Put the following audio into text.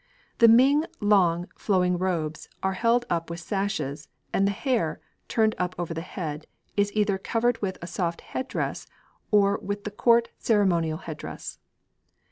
The Ming long, flowing robes are held up with sashes, and the hair, turned up over the head, is either covered with a soft head dress or with the Court ceremonial head dress.